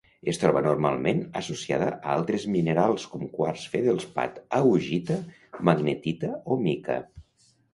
Es troba normalment associada a altres minerals, com quars, feldespat, augita, magnetita o mica.